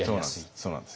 そうなんです。